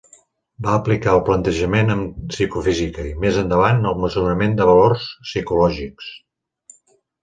Va aplicar el plantejament en psicofísica i, més endavant, al mesurament de valors psicològics.